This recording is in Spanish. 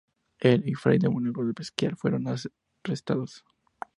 Él y fray Domenico de Pescia fueron arrestados.